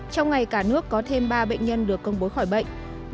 trong ngày cả nước có thêm ba bệnh nhân được công bố khỏi bệnh